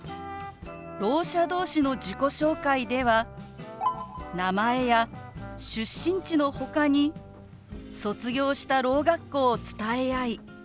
ろう者同士の自己紹介では名前や出身地のほかに卒業したろう学校を伝え合い